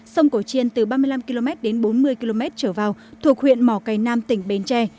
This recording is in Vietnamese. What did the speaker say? sông cổ chiên từ ba mươi năm km đến bốn mươi km trở vào thuộc huyện mỏ cầy nam tỉnh bến tre